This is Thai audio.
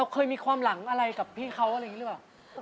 เคยมีความหลังอะไรกับพี่เขาอะไรอย่างนี้หรือเปล่า